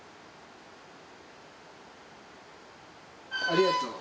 ありがとう。